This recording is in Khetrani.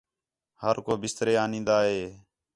ہر کو بِسترے آ آنیدا ہِے